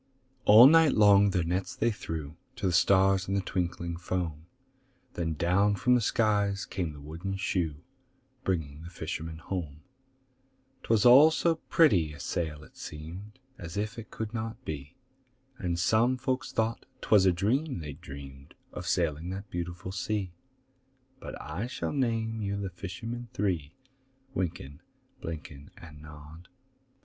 All night long their nets they threw To the stars in the twinkling foam,— Then down from the skies came the wooden shoe, Bringing the fishermen home: 'Twas all so pretty a sail, it seemed As if it could not be; And some folk thought 'twas a dream they'd dreamed Of sailing that beautiful sea; But I shall name you the fishermen three: Wynken, Blynken, And Nod.